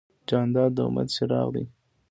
جانداد د امید څراغ دی.